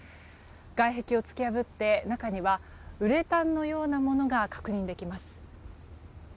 外壁を突き破って中にはウレタンのようなものが確認できます。